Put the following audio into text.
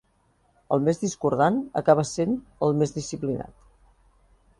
El més discordant acaba essent el més disciplinat.